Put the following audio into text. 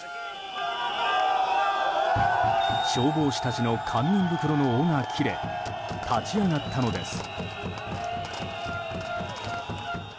消防士たちの堪忍袋の緒が切れ立ち上がったのです。